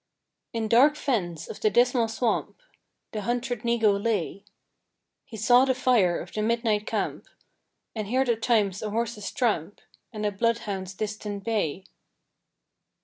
In dark fens of the Dismal Swamp The hunted Negro lay; He saw the fire of the midnight camp, And heard at times a horse's tramp And a bloodhound's distant bay.